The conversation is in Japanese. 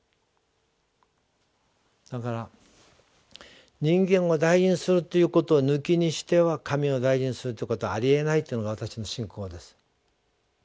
だから人間を大事にするということを抜きにしては神を大事にするということはありえないというのが私の信仰です。